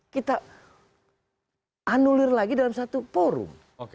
kita anulir lagi dalam satu forum